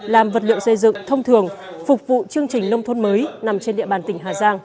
làm vật liệu xây dựng thông thường phục vụ chương trình nông thôn mới nằm trên địa bàn tỉnh hà giang